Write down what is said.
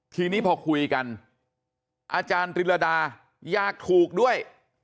ทีนี้พอคุยกันอาจารย์ติรดาอยากถูกด้วย